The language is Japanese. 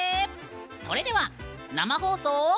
それでは生放送。